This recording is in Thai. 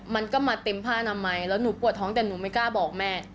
มันก็มาเต็มผ้านามัยแล้วหนูปวดท้องแต่หนูไม่กล้าบอกแม่